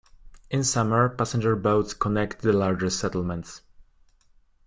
In summer, passenger boats connect the largest settlements.